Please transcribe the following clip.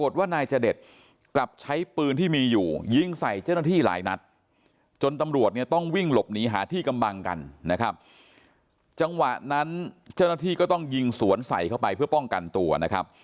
ตำรวจเนี่ยต้องวิ่งหลบหนีหาที่กำบังกันนะครับจังหวะนั้นเจ้าหน้าที่ก็ต้องยิงสวนใสเข้าไปเพื่อป้องกันตัวนะครับ